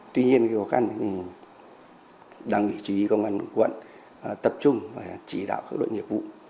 tuy nhiên cái khó khăn thì đáng nghỉ chủ yếu công an quận tập trung và chỉ đạo các đội nhiệm vụ